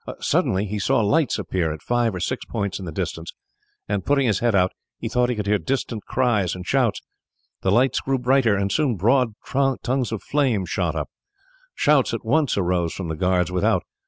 Suddenly he saw lights appear at five or six points in the distance, and, putting his head out, he thought he could hear distant cries and shouts. The lights grew brighter, and soon broad tongues of flame shot up. Shouts at once arose from the guards without.